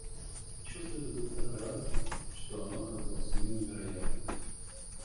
Чувство это было так радостно, что оно казалось ему невероятным.